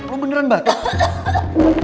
lo beneran batuk